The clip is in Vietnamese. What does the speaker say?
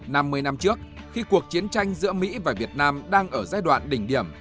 năm mươi năm trước khi cuộc chiến tranh giữa mỹ và việt nam đang ở giai đoạn đỉnh điểm